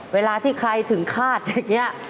เวลาที่ใครถึงคาดอย่างนี้